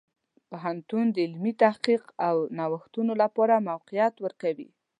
پوهنتون د علمي تحقیق او نوښتونو لپاره موقعیت ورکوي.